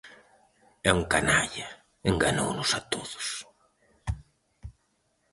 É un canalla, enganounos a todos.